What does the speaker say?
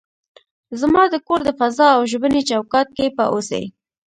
زما د کور د فضا او ژبني چوکاټ کې به اوسئ.